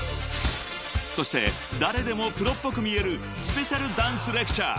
［そして誰でもプロっぽく見えるスペシャルダンスレクチャー］